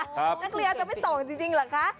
นักเรียนจะไม่ส่งจริงเหรอคะ